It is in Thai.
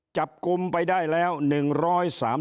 จับกุมไปได้แล้ว๑๓๗หมายจับ